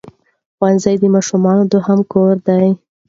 ښوونځی د ماشوم دویم کور دی.